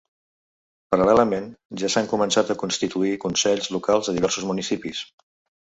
Paral·lelament, ja s’han començat a constituir consells locals a diversos municipis.